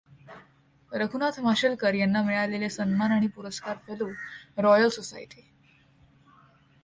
रघुनाथ माशेलकर यांना मिळालेले सन्मान आणि पुरस्कार फेलो, रॉयल सोसायटी.